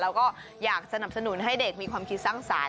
แล้วก็อยากสนับสนุนให้เด็กมีความคิดสร้างสรรค์